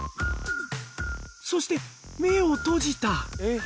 そして目を閉じた。